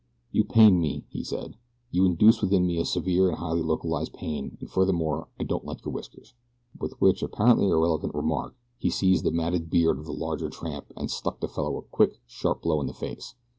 "You pain me," he said. "You induce within me a severe and highly localized pain, and furthermore I don't like your whiskers." With which apparently irrelevant remark he seized the matted beard of the larger tramp and struck the fellow a quick, sharp blow in the face.